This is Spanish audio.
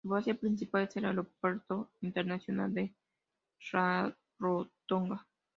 Su base principal es el Aeropuerto Internacional de Rarotonga.